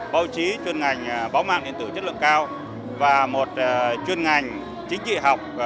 báo chí chuyên ngành báo mạng điện tử chất lượng cao và một chuyên ngành chính trị học